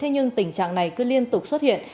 nhưng tình trạng này cứ liên tục xuất hiện